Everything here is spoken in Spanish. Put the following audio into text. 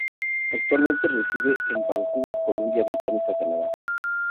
Actualmente reside en Vancouver, Columbia Británica, Canadá.